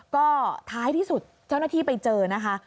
ก็ท้ายที่สุดเจ้าหน้าที่ไปเจอนะคะ